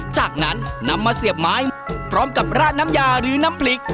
จากนั้นนำมาเสียบไม้พร้อมกับราดน้ำยาหรือน้ำพริก